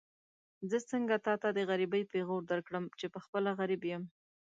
زه څنګه تاته د غريبۍ پېغور درکړم چې پخپله غريب يم.